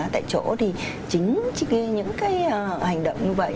tại chỗ thì chính những hành động như vậy